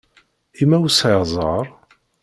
I ma ur sɛiɣ ẓẓher?